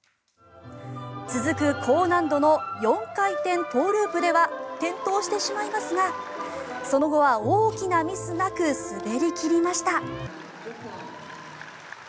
続く高難度の４回転トウループでは転倒してしまいますがその後は大きなミスなく滑り切りました。